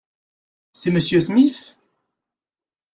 C’est Monsieur Smith ?